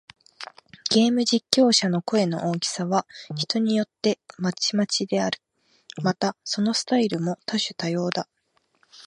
ゲーム実況者の声の大きさは、人によってまちまちである。また、そのスタイルも多種多様だ。